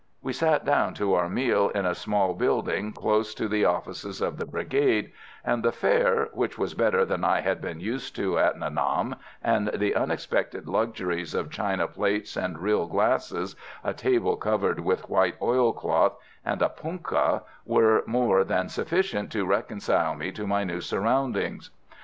We sat down to our meal in a small building close to the offices of the Brigade; and the fare, which was better than I had been used to at Nha Nam, and the unexpected luxuries of china plates, real glasses, a table covered with white oil cloth and a punkah, were more than sufficient to reconcile me to my new surroundings.